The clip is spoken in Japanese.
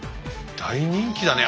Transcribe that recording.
大人気だね。